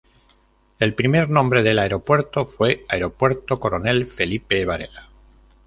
El primer nombre del aeropuerto fue Aeropuerto Coronel Felipe Varela.